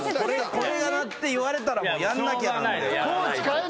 これが鳴って言われたらもうやんなきゃなんで。